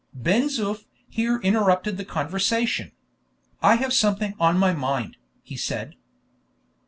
Ben Zoof here interrupted the conversation. "I have something on my mind," he said.